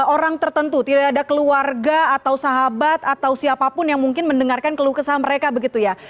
orang tertentu tidak ada keluarga atau sahabat atau siapapun yang mungkin mendengarkan keluh kesah mereka begitu ya